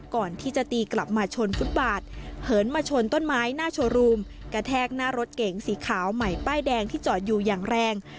ก่อนที่จะตีกลับมาชนฟุตบาทเหินมาชนต้นไม้หน้าโชว์รูมกระแทกหน้ารถเก๋งสีขาวใหม่ป้ายแดงที่จอดอยู่อย่างแรง